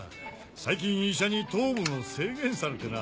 最近医者に糖分を制限されてな。